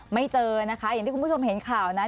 ไม่เจอนะคะอย่างที่คุณผู้ชมเห็นข่าวนั้น